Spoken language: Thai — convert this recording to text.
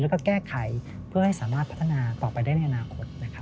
แล้วก็แก้ไขเพื่อให้สามารถพัฒนาต่อไปได้ในอนาคตนะครับ